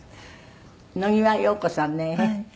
野際陽子さんね